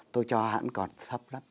tôi cho hãng còn thấp lắm